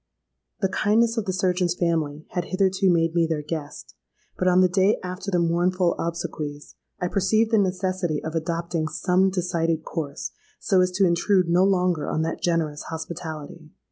The kindness of the surgeon's family had hitherto made me their guest; but on the day after the mournful obsequies, I perceived the necessity of adopting some decided course, so as to intrude no longer on that generous hospitality.